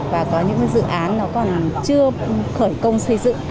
và có những dự án nó còn chưa khởi công xây dựng